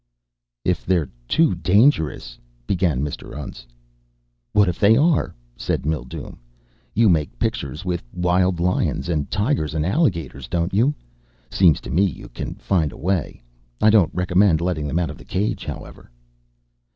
"If they're too dangerous ..." began Mr. Untz. "What if they are?" said Mildume. "You make pictures with wild lions and tigers and alligators, don't you? Seems to me you can find a way. I don't recommend letting them out of the cage however."